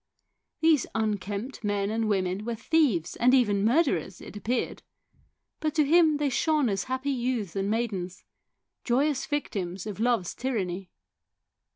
These unkempt men and women were thieves and even murderers, it appeared ; but to him they shone as happy youths and maidens, joyous victims of love's tyranny.